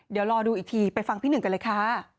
เดี๋ยวรอดูอีกทีไปฟังพี่หนึ่งกันเลยค่ะ